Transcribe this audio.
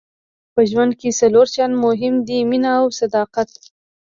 په ژوند کې څلور شیان مهم دي مینه او صداقت.